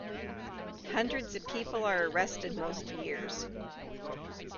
Hundreds of people are arrested most years.